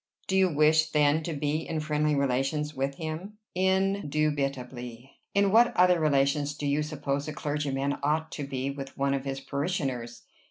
"Do you wish, then, to be in friendly relations with him?" "Indubitably. In what other relations do you suppose a clergyman ought to be with one of his parishioners?"